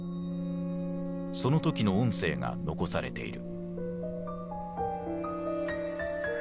その時の音声が残されている。